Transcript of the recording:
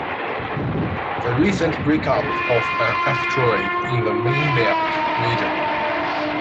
The recent breakup of an asteroid in the main-belt region.